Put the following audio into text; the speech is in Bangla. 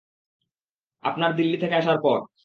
আপনার দিল্লি থেকে আসার পর!